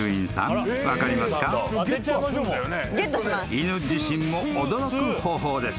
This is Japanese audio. ［犬自身も驚く方法です。